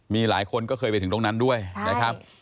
มีหลายคนก็เคยไปถึงตรงนั้นด้วยนะครับ